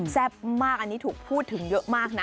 แซ่บมากอันนี้ถูกพูดถึงเยอะมากนะ